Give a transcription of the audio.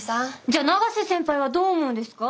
じゃあ永瀬先輩はどう思うんですか？